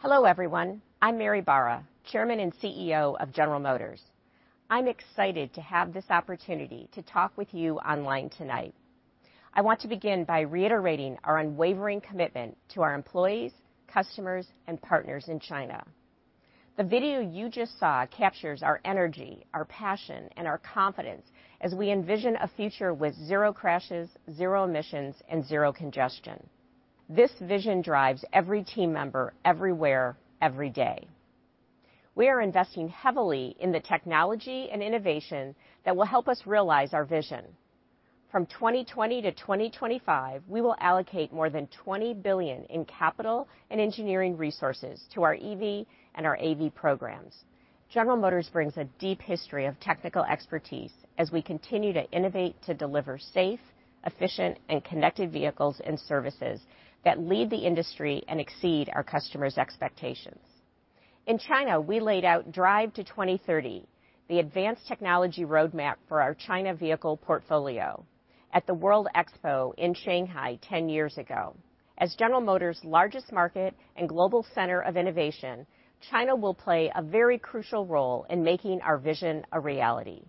Hello everyone. I'm Mary Barra, Chairman and CEO of General Motors. I'm excited to have this opportunity to talk with you online tonight. I want to begin by reiterating our unwavering commitment to our employees, customers, and partners in China. The video you just saw captures our energy, our passion, and our confidence as we envision a future with zero crashes, zero emissions, and zero congestion. This vision drives every team member everywhere, every day. We are investing heavily in the technology and innovation that will help us realize our vision. From 2020-2025, we will allocate more than $20 billion in capital and engineering resources to our EV and our AV programs. General Motors brings a deep history of technical expertise as we continue to innovate to deliver safe, efficient, and connected vehicles and services that lead the industry and exceed our customers' expectations. In China, we laid out Drive to 2030, the advanced technology roadmap for our China vehicle portfolio at the World Expo in Shanghai 10 years ago. As General Motors' largest market and global center of innovation, China will play a very crucial role in making our vision a reality.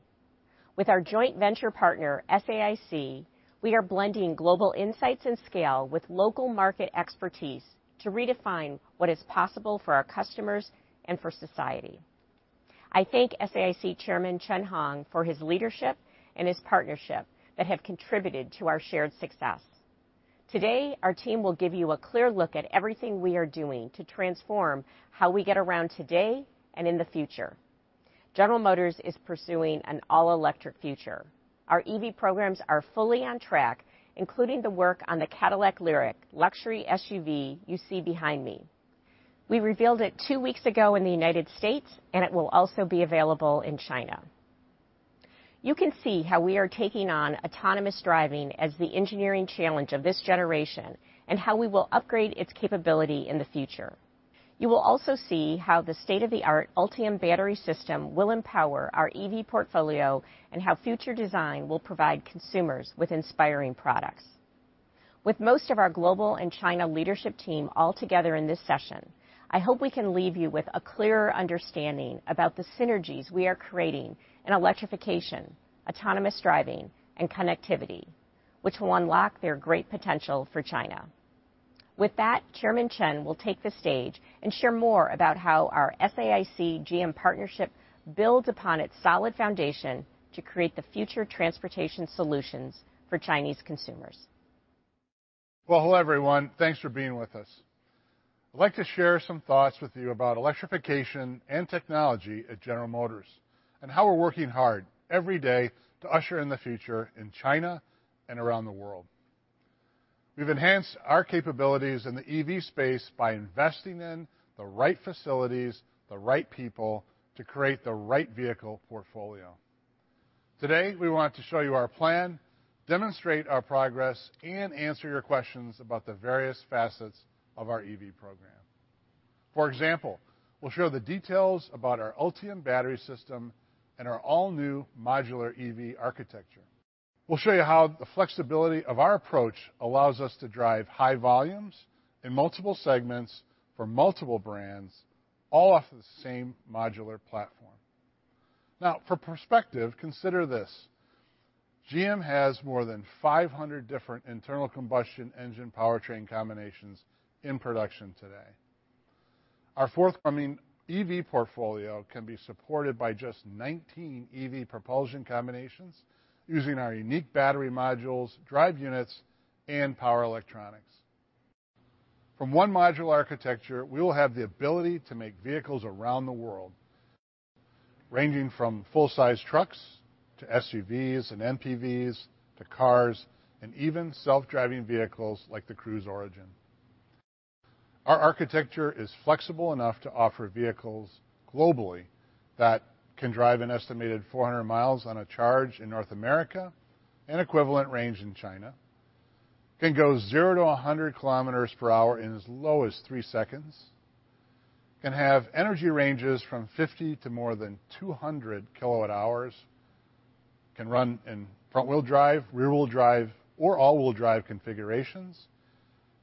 With our joint venture partner, SAIC, we are blending global insights and scale with local market expertise to redefine what is possible for our customers and for society. I thank SAIC Chairman Chen Hong for his leadership and his partnership that have contributed to our shared success. Today, our team will give you a clear look at everything we are doing to transform how we get around today and in the future. General Motors is pursuing an all-electric future. Our EV programs are fully on track, including the work on the Cadillac LYRIQ luxury SUV you see behind me. We revealed it two weeks ago in the United States, and it will also be available in China. You can see how we are taking on autonomous driving as the engineering challenge of this generation, and how we will upgrade its capability in the future. You will also see how the state-of-the-art Ultium battery system will empower our EV portfolio, and how future design will provide consumers with inspiring products. With most of our global and China leadership team all together in this session, I hope we can leave you with a clearer understanding about the synergies we are creating in electrification, autonomous driving, and connectivity, which will unlock their great potential for China. With that, Chairman Chen will take the stage and share more about how our SAIC-GM partnership builds upon its solid foundation to create the future transportation solutions for Chinese consumers. Well, hello everyone. Thanks for being with us. I'd like to share some thoughts with you about electrification and technology at General Motors, and how we're working hard every day to usher in the future in China and around the world. We've enhanced our capabilities in the EV space by investing in the right facilities, the right people, to create the right vehicle portfolio. Today, we want to show you our plan, demonstrate our progress, and answer your questions about the various facets of our EV program. For example, we'll show the details about our Ultium battery system and our all-new modular EV architecture. We'll show you how the flexibility of our approach allows us to drive high volumes in multiple segments for multiple brands, all off of the same modular platform. For perspective, consider this. GM has more than 500 different internal combustion engine powertrain combinations in production today. Our forthcoming EV portfolio can be supported by just 19 EV propulsion combinations using our unique battery modules, drive units, and power electronics. From one module architecture, we will have the ability to make vehicles around the world, ranging from full-size trucks to SUVs and MPV, to cars, and even self-driving vehicles like the Cruise Origin. Our architecture is flexible enough to offer vehicles globally that can drive an estimated 400 miles on a charge in North America, and equivalent range in China. Can go 0 to 100 km/h in as low as three seconds. Can have energy ranges from 50 kWh to more than 200 kWh. Can run in front-wheel drive, rear-wheel drive, or all-wheel drive configurations,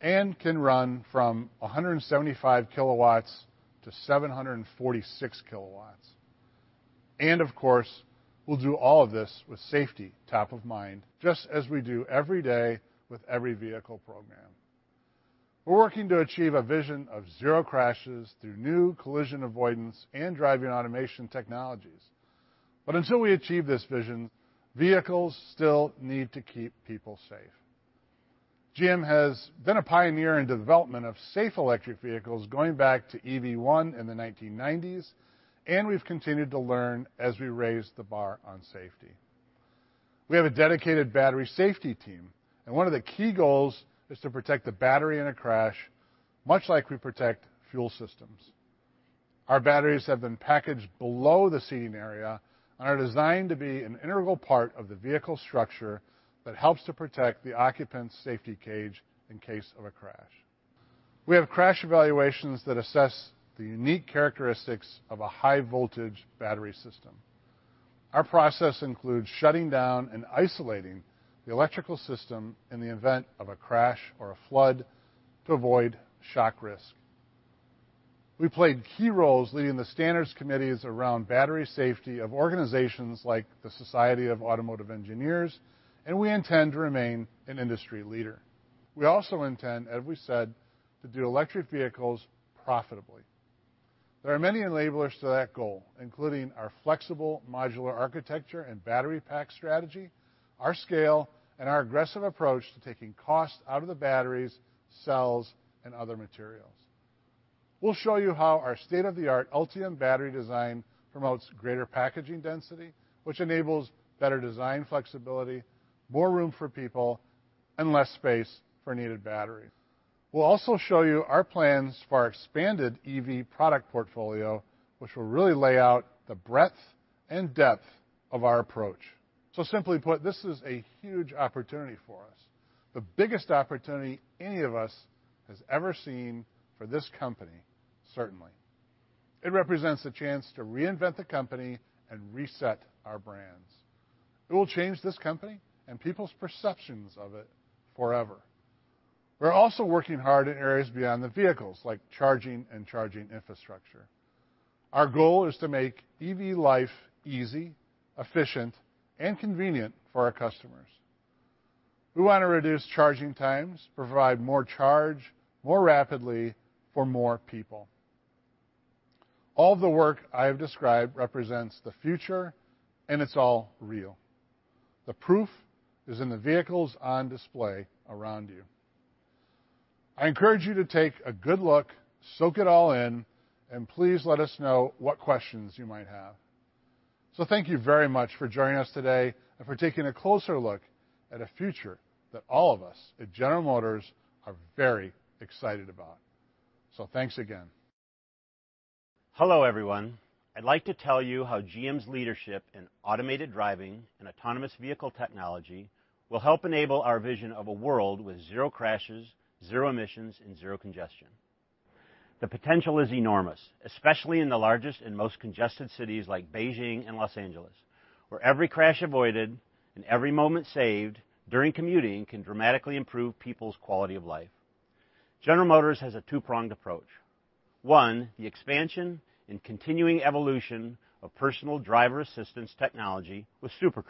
and can run from 175-746 kW. Of course, we'll do all of this with safety top of mind, just as we do every day with every vehicle program. We're working to achieve a vision of zero crashes through new collision avoidance and driving automation technologies. Until we achieve this vision, vehicles still need to keep people safe. GM has been a pioneer in development of safe electric vehicles, going back to EV1 in the 1990s, and we've continued to learn as we raise the bar on safety. We have a dedicated battery safety team, and one of the key goals is to protect the battery in a crash, much like we protect fuel systems. Our batteries have been packaged below the seating area and are designed to be an integral part of the vehicle structure that helps to protect the occupant's safety cage in case of a crash. We have crash evaluations that assess the unique characteristics of a high-voltage battery system. Our process includes shutting down and isolating the electrical system in the event of a crash or a flood to avoid shock risk. We played key roles leading the standards committees around battery safety of organizations like the Society of Automotive Engineers, and we intend to remain an industry leader. We also intend, as we said, to do electric vehicles profitably. There are many enablers to that goal, including our flexible modular architecture and battery pack strategy, our scale, and our aggressive approach to taking cost out of the batteries, cells, and other materials. We'll show you how our state-of-the-art Ultium battery design promotes greater packaging density, which enables better design flexibility, more room for people, and less space for needed battery. We'll also show you our plans for our expanded EV product portfolio, which will really lay out the breadth and depth of our approach. Simply put, this is a huge opportunity for us, the biggest opportunity any of us has ever seen for this company, certainly. It represents a chance to reinvent the company and reset our brands. It will change this company and people's perceptions of it forever. We're also working hard in areas beyond the vehicles, like charging and charging infrastructure. Our goal is to make EV life easy, efficient, and convenient for our customers. We want to reduce charging times, provide more charge more rapidly for more people. All the work I have described represents the future, and it's all real. The proof is in the vehicles on display around you. I encourage you to take a good look, soak it all in, and please let us know what questions you might have. Thank you very much for joining us today and for taking a closer look at a future that all of us at General Motors are very excited about. Thanks again. Hello, everyone. I'd like to tell you how GM's leadership in automated driving and autonomous vehicle technology will help enable our vision of a world with zero crashes, zero emissions, and zero congestion. The potential is enormous, especially in the largest and most congested cities like Beijing and L.A., where every crash avoided and every moment saved during commuting can dramatically improve people's quality of life. General Motors has a two-pronged approach. One, the expansion and continuing evolution of personal driver assistance technology with Super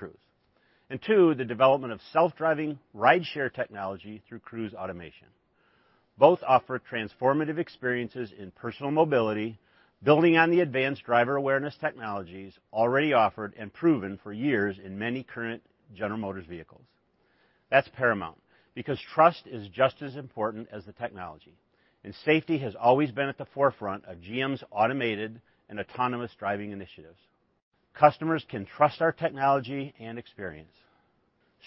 Cruise. Two, the development of self-driving rideshare technology through Cruise Automation. Both offer transformative experiences in personal mobility, building on the advanced driver awareness technologies already offered and proven for years in many current General Motors vehicles. That's paramount, because trust is just as important as the technology, and safety has always been at the forefront of GM's automated and autonomous driving initiatives. Customers can trust our technology and experience.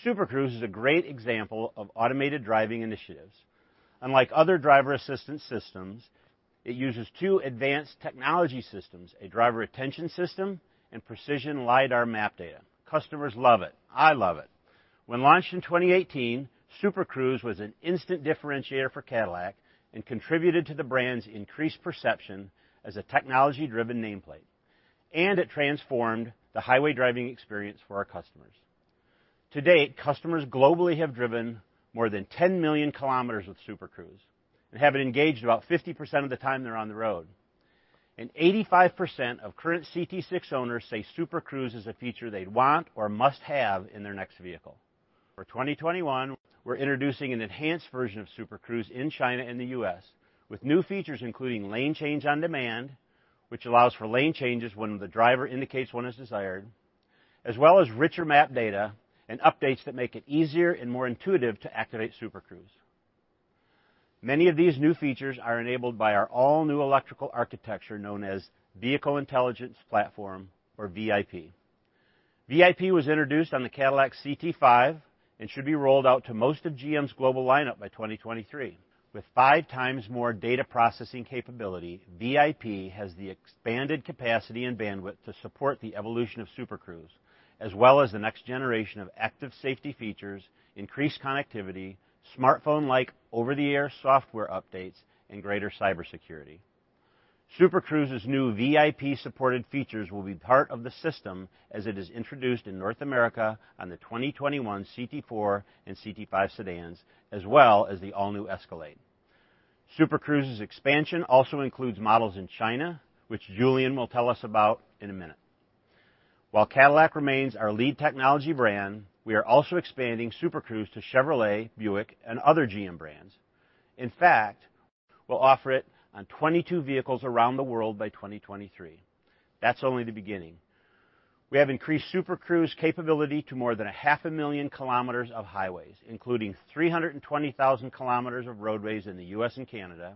Super Cruise is a great example of automated driving initiatives. Unlike other driver assistance systems, it uses two advanced technology systems, a driver attention system and precision LiDAR map data. Customers love it. I love it. When launched in 2018, Super Cruise was an instant differentiator for Cadillac and contributed to the brand's increased perception as a technology-driven nameplate, and it transformed the highway driving experience for our customers. To date, customers globally have driven more than 10 million km with Super Cruise and have it engaged about 50% of the time they're on the road. 85% of current Cadillac CT6 owners say Super Cruise is a feature they'd want or must have in their next vehicle. For 2021, we're introducing an enhanced version of Super Cruise in China and the U.S. with new features, including lane change on demand, which allows for lane changes when the driver indicates one is desired, as well as richer map data and updates that make it easier and more intuitive to activate Super Cruise. Many of these new features are enabled by our all-new electrical architecture known as Vehicle Intelligence Platform, or VIP. VIP was introduced on the Cadillac CT5 and should be rolled out to most of GM's global lineup by 2023. With 5x more data processing capability, VIP has the expanded capacity and bandwidth to support the evolution of Super Cruise, as well as the next generation of active safety features, increased connectivity, smartphone-like over-the-air software updates, and greater cybersecurity. Super Cruise's new VIP-supported features will be part of the system as it is introduced in North America on the 2021 Cadillac CT4 and Cadillac CT5 sedans, as well as the all-new Escalade. Super Cruise's expansion also includes models in China, which Julian will tell us about in a minute. While Cadillac remains our lead technology brand, we are also expanding Super Cruise to Chevrolet, Buick, and other GM brands. In fact, we'll offer it on 22 vehicles around the world by 2023. That's only the beginning. We have increased Super Cruise capability to more than a 0.5 million km of highways, including 320,000 km of roadways in the U.S. and Canada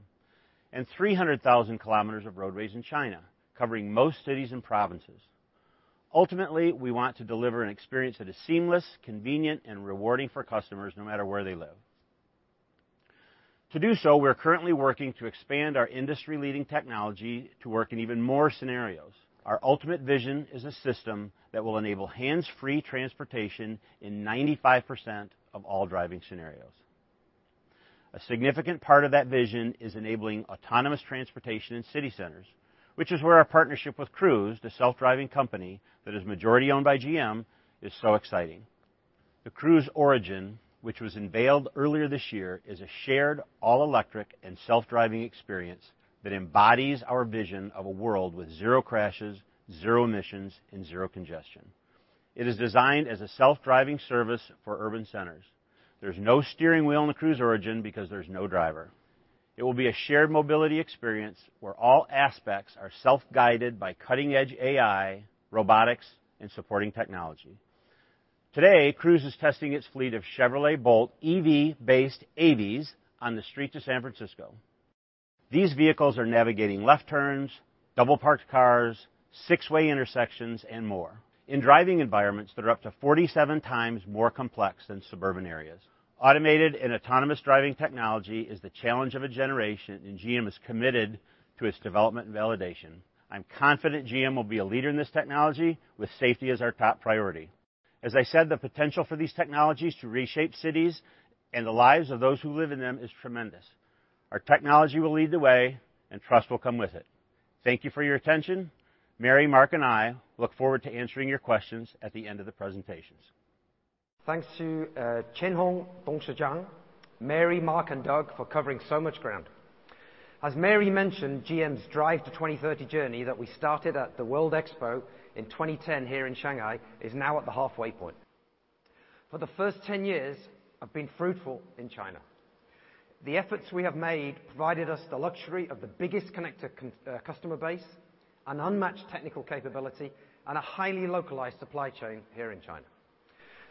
and 300,000 km of roadways in China, covering most cities and provinces. Ultimately, we want to deliver an experience that is seamless, convenient, and rewarding for customers, no matter where they live. To do so, we're currently working to expand our industry-leading technology to work in even more scenarios. Our ultimate vision is a system that will enable hands-free transportation in 95% of all driving scenarios. A significant part of that vision is enabling autonomous transportation in city centers, which is where our partnership with Cruise, the self-driving company, that is majority owned by GM, is so exciting. The Cruise Origin, which was unveiled earlier this year, is a shared, all-electric, and self-driving experience that embodies our vision of a world with zero crashes, zero emissions, and zero congestion. It is designed as a self-driving service for urban centers. There's no steering wheel in the Cruise Origin because there's no driver. It will be a shared mobility experience where all aspects are self-guided by cutting-edge AI, robotics, and supporting technology. Today, Cruise is testing its fleet of Chevrolet Bolt EV-based AVs on the streets of San Francisco. These vehicles are navigating left turns, double-parked cars, six-way intersections, and more, in driving environments that are up to 47 times more complex than suburban areas. Automated and autonomous driving technology is the challenge of a generation, and GM is committed to its development and validation. I'm confident GM will be a leader in this technology, with safety as our top priority. As I said, the potential for these technologies to reshape cities and the lives of those who live in them is tremendous. Our technology will lead the way, and trust will come with it. Thank you for your attention. Mary, Mark, and I look forward to answering your questions at the end of the presentations. Thanks to Chen Hong, Dong Shi Zhang, Mary, Mark, and Doug for covering so much ground. As Mary mentioned, GM's Drive to 2030 journey that we started at the World Expo in 2010 here in Shanghai is now at the halfway point. For the first 10 years have been fruitful in China. The efforts we have made provided us the luxury of the biggest connected customer base, an unmatched technical capability, and a highly localized supply chain here in China.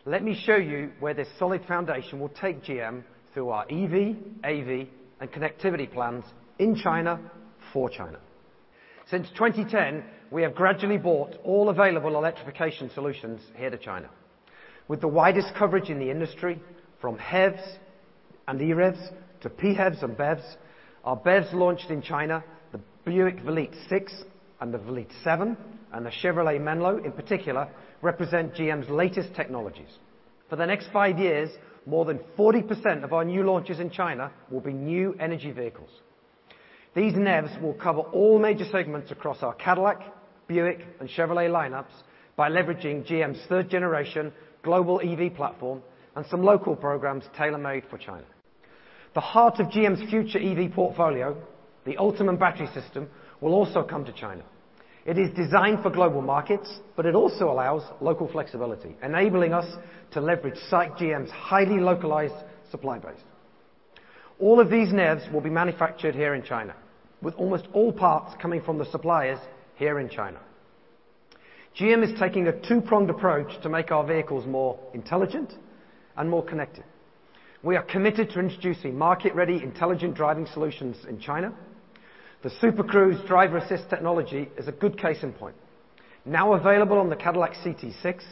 Let me show you where this solid foundation will take GM through our EV, AV, and connectivity plans in China for China. Since 2010, we have gradually brought all available electrification solutions here to China. With the widest coverage in the industry, from HEVs and EREVs, to PHEVs and BEVs, our BEVs launched in China, the Buick Velite 6 and the Buick Velite 7, and the Chevrolet Menlo, in particular, represent GM's latest technologies. For the next five years, more than 40% of our new launches in China will be New Energy Vehicles. These NEVs will cover all major segments across our Cadillac, Buick, and Chevrolet lineups by leveraging GM's third generation global EV platform and some local programs tailor-made for China. The heart of GM's future EV portfolio, the Ultium battery system, will also come to China. It is designed for global markets, it also allows local flexibility, enabling us to leverage SAIC-GM's highly localized supply base. All of these NEVs will be manufactured here in China, with almost all parts coming from the suppliers here in China. GM is taking a two-pronged approach to make our vehicles more intelligent and more connected. We are committed to introducing market-ready intelligent driving solutions in China. The Super Cruise driver-assist technology is a good case in point. Now available on the Cadillac CT6,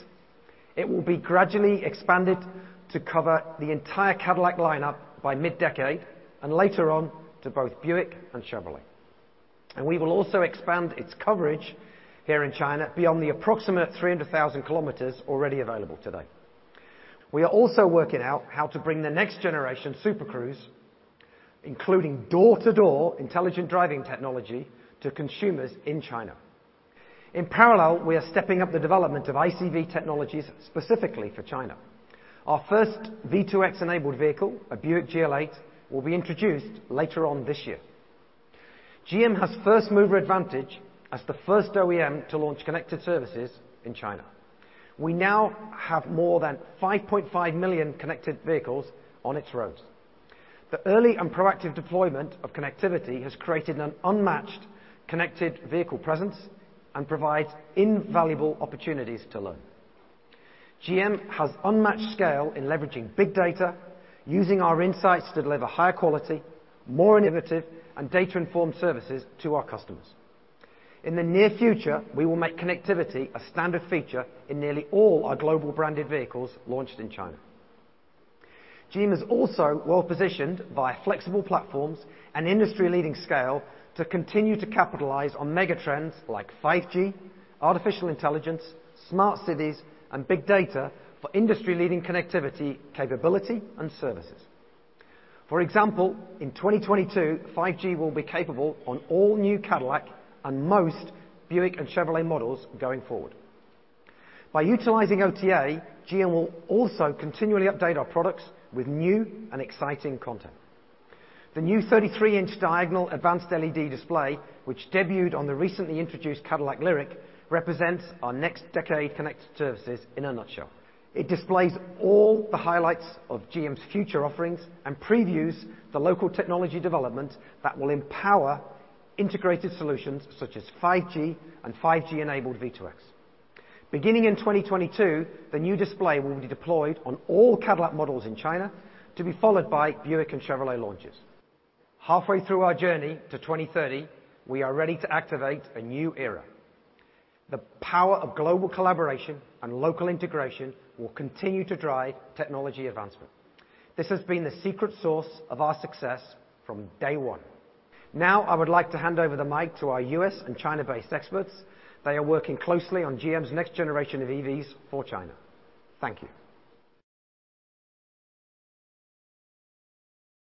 it will be gradually expanded to cover the entire Cadillac lineup by mid-decade, and later on, to both Buick and Chevrolet. We will also expand its coverage here in China beyond the approximate 300,000 km already available today. We are also working out how to bring the next generation Super Cruise, including door-to-door intelligent driving technology, to consumers in China. In parallel, we are stepping up the development of ICV technologies specifically for China. Our first V2X-enabled vehicle, a Buick GL8, will be introduced later on this year. GM has first-mover advantage as the first OEM to launch connected services in China. We now have more than 5.5 million connected vehicles on its roads. The early and proactive deployment of connectivity has created an unmatched connected vehicle presence and provides invaluable opportunities to learn. GM has unmatched scale in leveraging big data, using our insights to deliver higher quality, more innovative, and data-informed services to our customers. In the near future, we will make connectivity a standard feature in nearly all our global branded vehicles launched in China. GM is also well-positioned via flexible platforms and industry-leading scale to continue to capitalize on mega trends like 5G, artificial intelligence, smart cities, and big data for industry-leading connectivity, capability, and services. For example, in 2022, 5G will be capable on all new Cadillac and most Buick and Chevrolet models going forward. By utilizing OTA, GM will also continually update our products with new and exciting content. The new 33-inch diagonal advanced LED display, which debuted on the recently introduced Cadillac LYRIQ, represents our next decade connected services in a nutshell. It displays all the highlights of GM's future offerings and previews the local technology development that will empower integrated solutions such as 5G and 5G-enabled V2X. Beginning in 2022, the new display will be deployed on all Cadillac models in China, to be followed by Buick and Chevrolet launches. Halfway through our journey to 2030, we are ready to activate a new era. The power of global collaboration and local integration will continue to drive technology advancement. This has been the secret source of our success from day one. Now, I would like to hand over the mic to our U.S. and China-based experts. They are working closely on GM's next generation of EVs for China. Thank you.